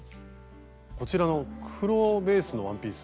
こちらの黒ベースのワンピース。